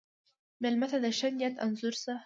مېلمه ته د ښه نیت انځور شه.